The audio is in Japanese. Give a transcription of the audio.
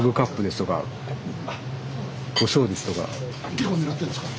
結構狙ってるんですか？